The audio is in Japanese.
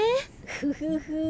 フフフ。